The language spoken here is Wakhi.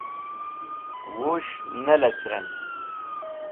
Wus̃h ne lecrẽm